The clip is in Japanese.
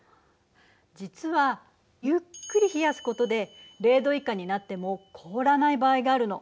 実はゆっくり冷やすことで０度以下になっても凍らない場合があるの。